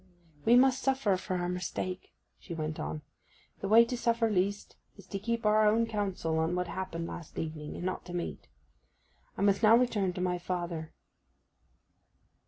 'We must suffer for our mistake,' she went on. 'The way to suffer least is to keep our own counsel on what happened last evening, and not to meet. I must now return to my father.